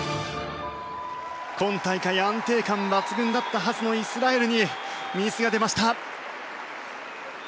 今大会、安定感抜群だったはずのイスラエルにミスが出ました。